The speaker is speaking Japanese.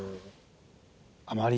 あまり。